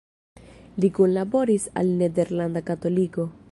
Li kunlaboris al "Nederlanda Katoliko".